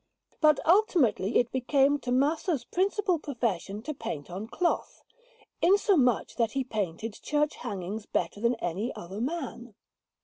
But ultimately it became Tommaso's principal profession to paint on cloth, insomuch that he painted church hangings better than any other man.